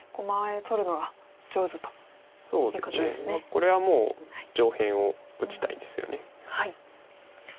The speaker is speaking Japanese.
これはもう上辺を打ちたいですよね。